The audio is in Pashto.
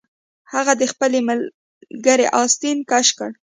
هغه د خپل ملګري آستین کش کړ